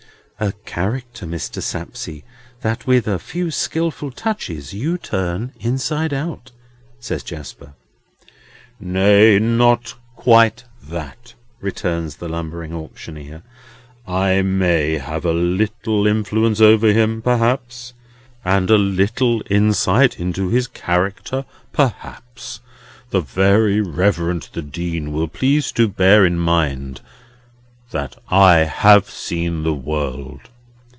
"A character, Mr. Sapsea, that with a few skilful touches you turn inside out," says Jasper. "Nay, not quite that," returns the lumbering auctioneer. "I may have a little influence over him, perhaps; and a little insight into his character, perhaps. The Very Reverend the Dean will please to bear in mind that I have seen the world."